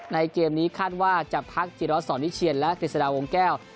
เกมนี้คาดว่าจะพักจิรัสสอนวิเชียนและกฤษฎาวงแก้ว